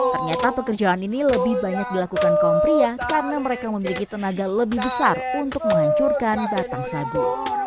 ternyata pekerjaan ini lebih banyak dilakukan kaum pria karena mereka memiliki tenaga lebih besar untuk menghancurkan batang sagu